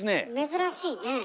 珍しいねえ。